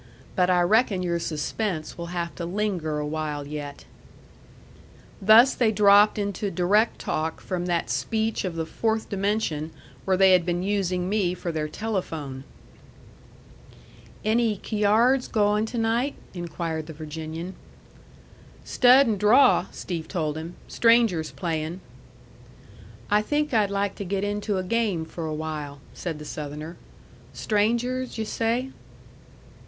But I reckon your suspense will have to linger a while yet." Thus they dropped into direct talk from that speech of the fourth dimension where they had been using me for their telephone. "Any cyards going to night?" inquired the Virginian. "Stud and draw," Steve told him. "Strangers playing." "I think I'd like to get into a game for a while," said the Southerner. "Strangers, yu' say?"